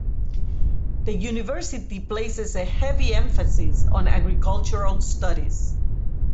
The university places a heavy emphasis on agricultural studies.